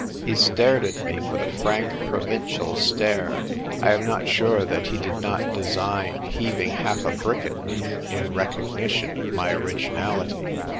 He stared at me with a frank provincial stare ; I am not sure that he did not design heaving half a brick at me, in recognition of m.y originality.